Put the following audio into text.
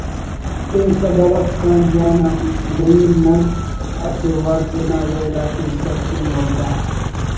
پین صبر اف کان جوان نعیم نن اسہ وار تینا ویل آتے ایسر کین ولدا